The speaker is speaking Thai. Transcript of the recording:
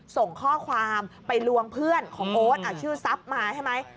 ส่งข้อความไปลวงเพื่อนของโอ๊ตชื่อทรัพย์มาใช่ไหม